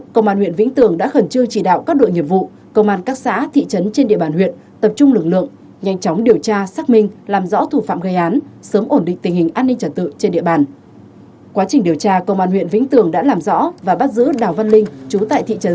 công an huyện vĩnh tường đã khẩn trương chỉ đạo các đội nghiệp vụ công an các xã thị trấn trên địa bàn huyện tập trung lực lượng nhanh chóng điều tra xác minh làm rõ thủ phạm gây án sớm ổn định tình hình an ninh trật tự trên địa bàn